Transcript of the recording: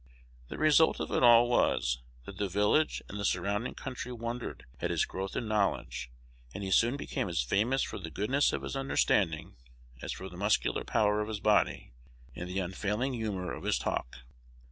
The result of it all was, that the village and the surrounding country wondered at his growth in knowledge, and he soon became as famous for the goodness of his understanding as for the muscular power of his body, and the unfailing humor of his talk.